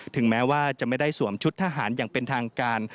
ถึงแม้ว่าจะไม่ได้สวมชุดทหารอย่างเป็นทางการ